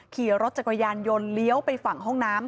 ขี่รถจักรยานยนต์เลี้ยวไปฝั่งห้องน้ำ